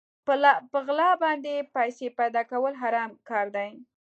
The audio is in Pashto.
په غلا باندې پيسې پيدا کول حرام کار دی.